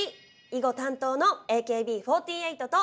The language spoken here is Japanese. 囲碁担当のＡＫＢ４８と！